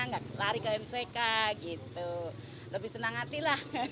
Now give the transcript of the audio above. gak lari ke mck lebih senang hati lah